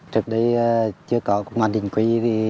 trước đây chưa có công an chính quy